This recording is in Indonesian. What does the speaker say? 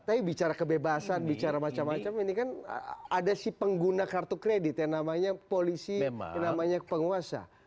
tapi bicara kebebasan bicara macam macam ini kan ada si pengguna kartu kredit yang namanya polisi namanya penguasa